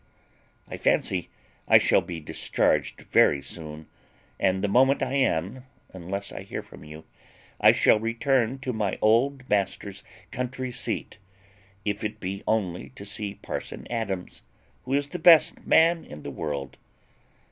"I fancy I shall be discharged very soon; and the moment I am, unless I hear from you, I shall return to my old master's country seat, if it be only to see parson Adams, who is the best man in the world.